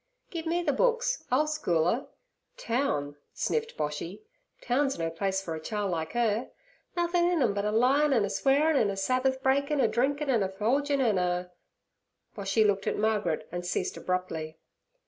'Git me the books; I'll school her. Town' sniffed Boshy—'town's no place fer a chile like 'er. Nothin' in 'em but a lyin' an' a swearin' an' a Sabbath breakin' a drinkin' an' a forgin' an' a—' Boshy looked at Margaret and ceased abruptly.